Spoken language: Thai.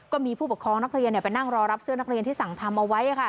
ก็มีผู้ปกครองนักเรียนไปนั่งรอรับเสื้อนักเรียนที่สั่งทำเอาไว้